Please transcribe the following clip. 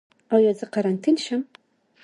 ایا زه قرنطین شم؟